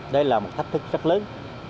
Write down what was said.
đây là một thách thức rất lớn